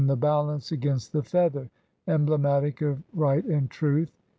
1 3 the balance against the feather, emblematic of Right and Truth.